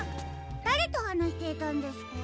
だれとはなしていたんですか？